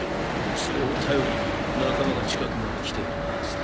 それを頼りに仲間が近くまで来ているはずだ。